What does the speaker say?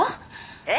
えっ？